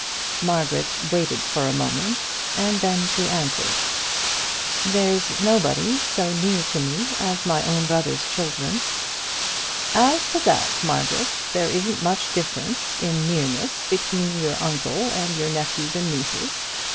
Margaret waited for a moment, and then she answered "There's nobody so near to me as my own brother's children." "As to that, Margaret, there isn't much difference in nearness between your uncle and your nephews and nieces.